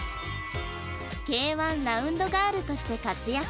Ｋ−１ ラウンドガールとして活躍